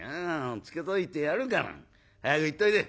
つけといてやるから。早く行っといで」。